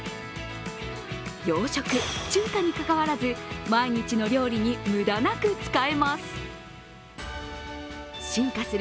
洋食・中華にかかわらず、毎日の料理に無駄なく使えます。